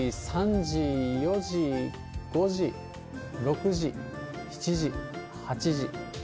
２時、３時、４時、５時、６時、７時、８時、９時。